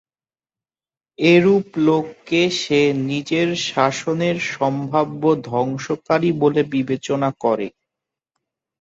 এরূপ লোককে সে নিজের শাসনের সম্ভাব্য ধ্বংসকারী বলে বিবেচনা করে।